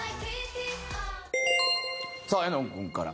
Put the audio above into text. さあ絵音君から。